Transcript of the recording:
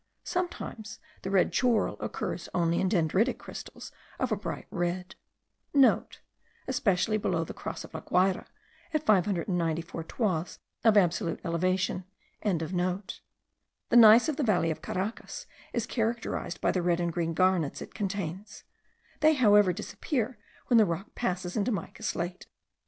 Sometimes the red schorl occurs only in dendritic crystals of a bright red.* (* Especially below the Cross of La Guayra, at 594 toises of absolute elevation.) The gneiss of the valley of Caracas is characterized by the red and green garnets it contains; they however disappear when the rock passes into mica slate.